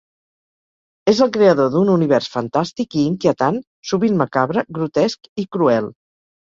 És el creador d'un univers fantàstic i inquietant, sovint macabre, grotesc i cruel.